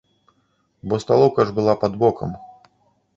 Бо сталоўка ж была пад бокам.